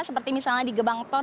seperti misalnya di gebang tol